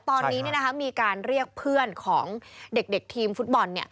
ตอนนี้มีการเรียกเพื่อนของเด็กทีมฟุตบอล